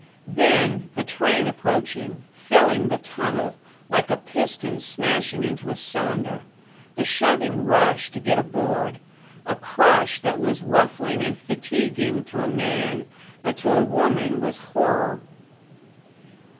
Then, the train approaching, filling the tunnel, like a piston smashing into a cylinder; the shoving rush to get aboard. A crush that was ruffling and fatiguing to a man, but to a woman was horror.